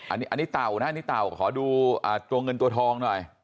อันนี้เต่านะขอดูตัวเงินตัวทองหน่อย